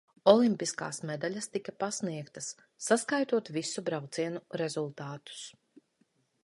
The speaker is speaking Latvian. Olimpiskās medaļas tika pasniegtas saskaitot visu braucienu rezultātus.